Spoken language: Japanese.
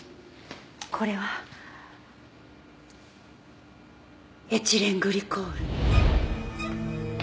これはエチレングリコール。